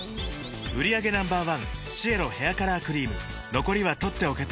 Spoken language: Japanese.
売上№１シエロヘアカラークリーム残りは取っておけて